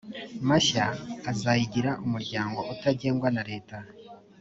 mashya azayigira umuryango utagengwa na leta